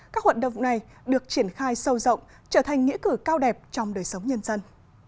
các hoạt động này được triển khai sâu rộng trở thành nghĩa cử cao đẹp trong đời sống nhân dân